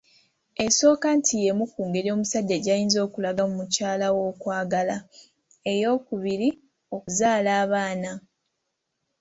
Esooka nti y'emu ku ngeri omusajja gy'ayinza okulagamu mukyala we okwagala, ey'okubiri, kuzaala baana.